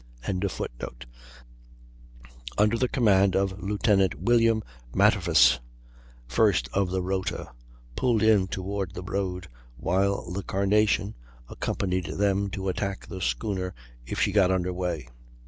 ] under the command of Lieutenant William Matterface, first of the Rota, pulled in toward the road, while the Carnation accompanied them to attack the schooner if she got under way.